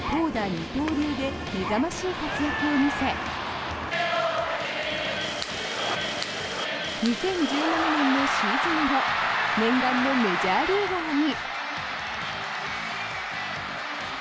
二刀流で目覚ましい活躍を見せ２０１７年のシーズン後念願のメジャーリーガーに。